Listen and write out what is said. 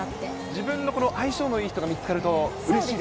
自分のこの相性のいい人が見つかるとうれしい。